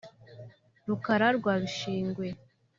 Rukara rwa Bishingwe